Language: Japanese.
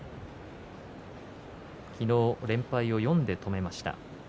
昨日、連敗を４で止めました。